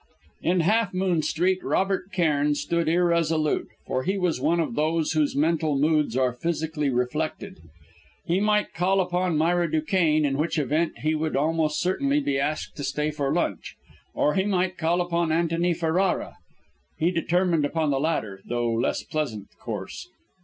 In Half Moon Street, Robert Cairn stood irresolute; for he was one of those whose mental moods are physically reflected. He might call upon Myra Duquesne, in which event he would almost certainly be asked to stay to lunch; or he might call upon Antony Ferrara. He determined upon the latter, though less pleasant course.